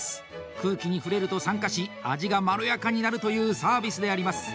空気に触れると酸化し味が、まろやかになるというサービスであります。